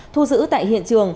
thu giữ tại hiện trường